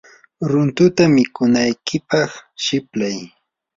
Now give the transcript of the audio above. runtuta mikunaykipaq siplay.